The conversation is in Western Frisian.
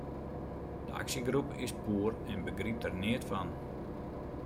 De aksjegroep is poer en begrypt der neat fan.